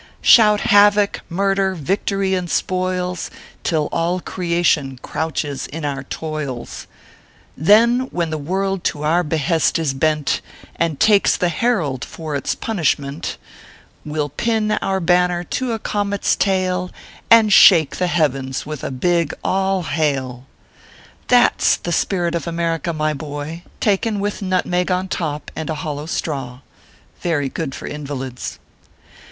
Shout havoc, murder, victory, and spoils, Till all creation crouches in our toils ! Then, when the world to our behest is bent, And takes the Herald for its punishment, "We ll pin our banner to a comet s tail, And shake the Heavens with a big ALL HAIL !" That s the spirit of America, my boy, taken with nutmeg on top, and a hollow straw. Very good for invalids.